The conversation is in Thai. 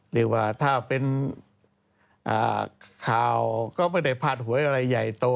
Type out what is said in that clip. เรียกว่าถ้าเป็นข่าวก็ไม่ได้พาดหวยอะไรใหญ่โต